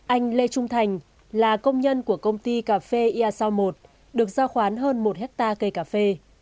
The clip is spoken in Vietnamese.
anh lê trung thành là công nhân của công ty cà phê ia sao một được giao khoán hơn một hectare cây cà phê